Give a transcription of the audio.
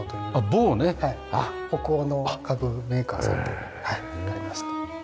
北欧の家具メーカーさんで買いました。